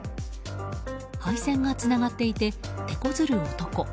配線がつながっていて手こずる男。